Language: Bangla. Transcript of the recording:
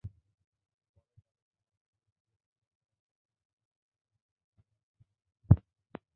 পরে তাঁদের থামাতে গিয়ে ইতিহাস বিভাগের অধ্যাপক মোহাম্মদ মোজাহিদুল ইসলাম লাঞ্ছিত হন।